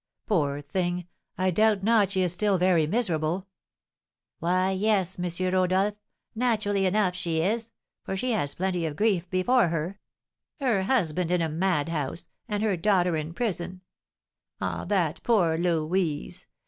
"Poor thing! I doubt not she is still very miserable?" "Why, yes, M. Rodolph, naturally enough she is, for she has plenty of grief before her: her husband in a madhouse, and her daughter in prison! Ah, that poor Louise!